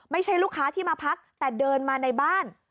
ไม่ใช่ลูกค้าที่มาพักแต่เดินมาในบ้าน